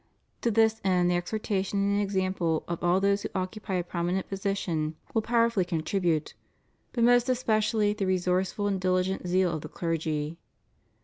To this end the exhortations and example of all those who occupy a prominent position will powerfully cod 536 THE MOST HOLY EUCHARIST. tribute, but most especially the resourceful and diligent zeal of the clergy.